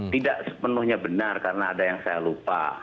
tidak sepenuhnya benar karena ada yang saya lupa